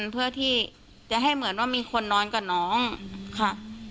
เพื่อที่จะให้เหมือนว่ามีคนนอนกับน้องค่ะ